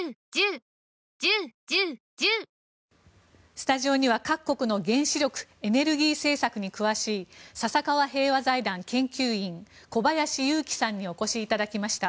スタジオには、各国の原子力・エネルギー政策に詳しい笹川平和財団研究員小林祐喜さんにお越しいただきました。